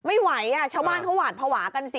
ไม่ไหวชาวบ้านเขาหวาดภาวะกันสิ